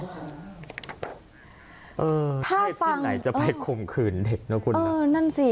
เออท่าฟังที่ไหนจะไปคงคืนเด็กนะคุณน่ะเออนั่นสิ